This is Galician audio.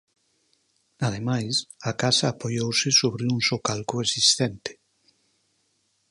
Ademais, a casa apoiouse sobre un socalco existente.